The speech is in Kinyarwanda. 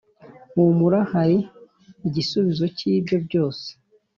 Humura hari igisubizo cyibyo byose